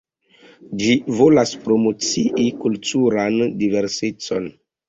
Ĝi volas promocii kulturan diversecon.